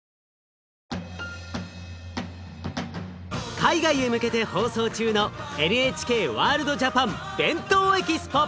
海外へ向けて放送中のＮＨＫワールドＪＡＰＡＮ「ＢＥＮＴＯＥＸＰＯ」！